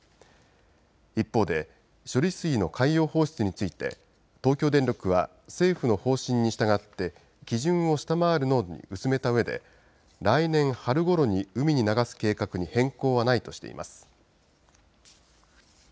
一方で処理水の海洋放出について東京電力は政府の方針に従って基準を下回る濃度に薄めたうえで来年春ごろに海に流す計画に変更はないとしています。